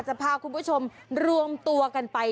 จะพาคุณผู้ชมรวมตัวกันไป